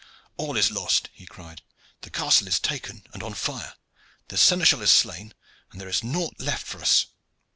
"All is lost!" he cried. "The castle is taken and on fire, the seneschal is slain, and there is nought left for us."